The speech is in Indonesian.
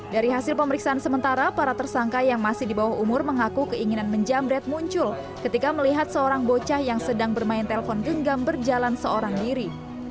dari hasil pemeriksaan sementara para tersangka yang masih di bawah umur mengaku keinginan menjamret muncul ketika melihat seorang bocah yang sedang bermain telpon genggam berjalan seorang diri